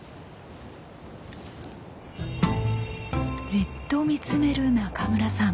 じっと見つめる中村さん。